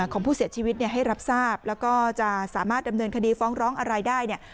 ของผู้เสียชีวิตเนี่ยให้รับทราบแล้วก็จะสามารถดำเนินคดีฟ้องร้องอะไรได้เนี่ย